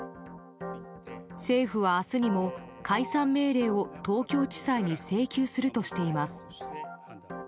政府は明日にも、解散命令を東京地裁に請求するとしています。